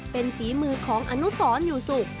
เป็นฝีมือของอนุสรอยู่สุข